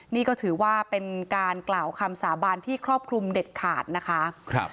นี่ก็ถือว่าเป็นการกล่าวคำสาบานที่ครอบคลุมเด็ดขาดนะคะ